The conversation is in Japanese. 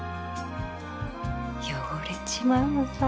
汚れちまうのさ。